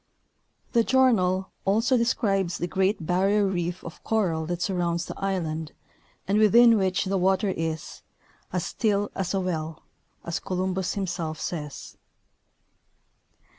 The journal also describes the great barrier reef of coral that surrounds th'e island and within which the water is as " still as a well," as Columbus himself says.